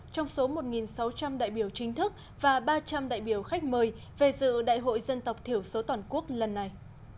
trong số một sáu trăm linh đại biểu chính thức và ba trăm linh đại biểu khách mời về dự đại hội dân tộc thiểu số toàn quốc lần này